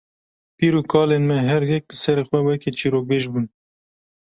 pîr û kalên me her yek bi serê xwe wekî çîrokbêj bûn.